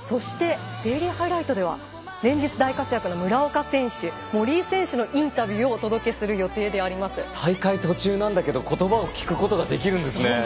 そしてデイリーハイライトでは連日大活躍の村岡選手森井選手のインタビューを大会途中なんだけどことばを聞くことができるんですね。